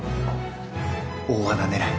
大穴狙い。